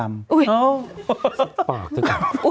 ซึกปากจริง